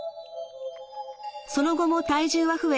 その後も体重は増え